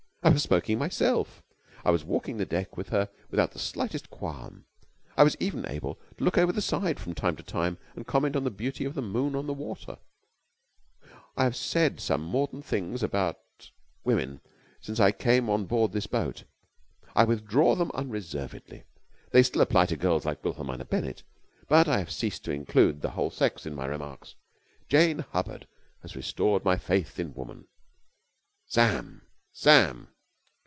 I was smoking myself! I was walking the deck with her without the slightest qualm. I was even able to look over the side from time to time and comment on the beauty of the moon on the water ... I have said some mordant things about women since I came on board this boat. I withdraw them unreservedly. They still apply to girls like Wilhelmina Bennett, but I have ceased to include the whole sex in my remarks. Jane Hubbard has restored my faith in woman. Sam! Sam!"